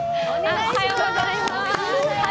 おはようございます。